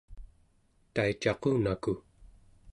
taicaqunaku